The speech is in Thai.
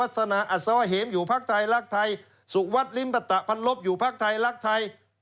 สุวัตรลิมประตะพันลบอยู่ภาคไทยรักไทย